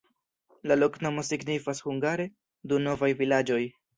La loknomo signifas hungare: Du-novaj-vilaĝoj.